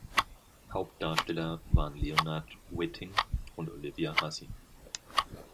Hauptdarsteller waren Leonard Whiting und Olivia Hussey.